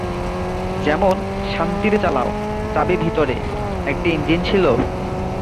যেমন, 'শান্তিতে চালাও, চাবি ভেতরে,' 'একটা ইঞ্জিন ছিল?